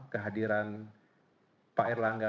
kehadiran pak erlangga